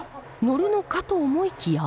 乗るのかと思いきや。